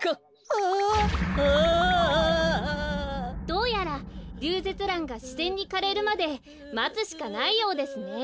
どうやらリュウゼツランがしぜんにかれるまでまつしかないようですね。